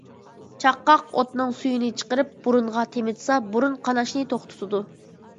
چاققاق ئوتنىڭ سۈيىنى چىقىرىپ بۇرۇنغا تېمىتسا بۇرۇن قاناشنى توختىتىدۇ.